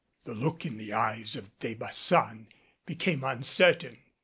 The look in the eyes of De Baçan became uncertain.